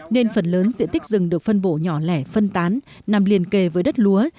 nên phần lớn diện tích rừng được phân bổ nhỏ lẻ phân tán nằm liền kề với đất lúa